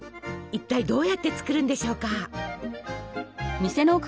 一体どうやって作るんでしょうか？